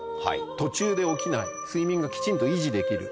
途中で起きない睡眠がきちんと維持できる。